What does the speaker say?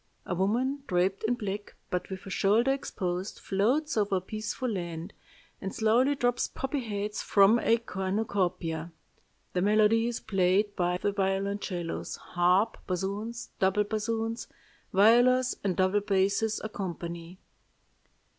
A woman draped in black, but with a shoulder exposed, floats over a peaceful land, and slowly drops poppy heads from a cornucopia. The melody is played by the violoncellos. Harp, bassoons, double bassoons, violas, and double basses accompany.